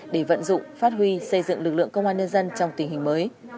để vận dụng phát huy xây dựng lực lượng công an nhân dân trong tình hình mới